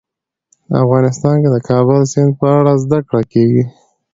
افغانستان کې د کابل سیند په اړه زده کړه کېږي.